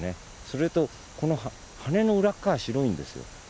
それとこの羽の裏側白いんですよ。